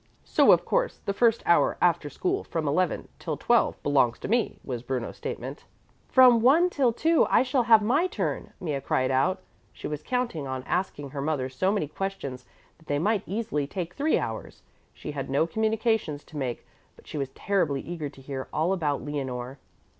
"So of course the first hour after school from eleven till twelve belongs to me," was Bruno's statement. "From one till two I shall have my turn," Mea cried out. She was counting on asking her mother so many questions that they might easily take three hours. She had no communications to make but she was terribly eager to hear all about Leonore.